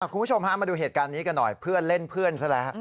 คุณผู้ชมฮะมาดูเหตุการณ์นี้กันหน่อยเพื่อนเล่นเพื่อนซะแล้ว